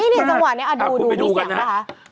นี่จังหวะนี้ดูมีเสียงป่ะคะ